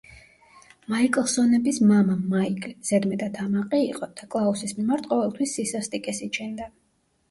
მაიკლსონების მამა მაიკლი ზედმეტად ამაყი იყო და კლაუსის მიმართ ყოველთვის სისასტიკეს იჩენდა.